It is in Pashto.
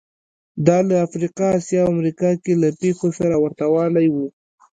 دا له افریقا، اسیا او امریکا کې له پېښو سره ورته والی و